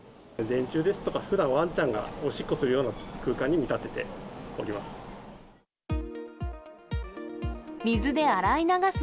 電柱ですとか、ふだん、わんちゃんがおしっこするような空間に見立てております。